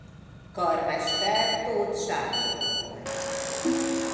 Karmester Tóth Sándor volt.